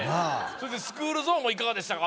そしてスクールゾーンもいかがでしたか？